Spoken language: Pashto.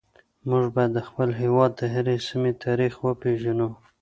موږ باید د خپل هیواد د هرې سیمې تاریخ وپیژنو